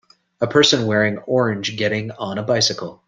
A person wearing orange getting on a bicycle.